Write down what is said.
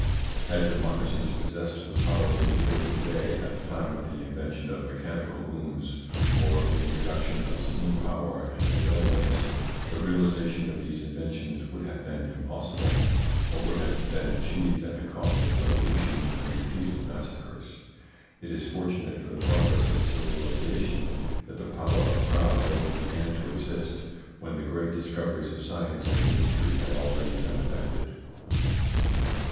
Had democracies possessed the power they wield to day at the time of the invention of mechanical looms or of the introduction of steam power and of railways, the realisation of these inventions would have been impossible, or would have been achieved at the cost of revolutions and repeated massacres. It is fortunate for the progress of civilisation that the power of crowds only began to exist when the great discoveries of science and industry had already been effected.